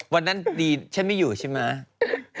วันนั้นดีฉันไม่อยู่ใช่ไหม